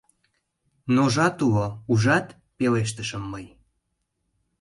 — «Ножат» уло, ужат? — пелештышым мый.